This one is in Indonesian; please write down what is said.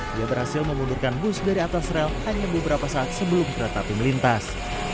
dia berhasil memundurkan bus dari atas rel hanya beberapa saat sebelum kereta api melintas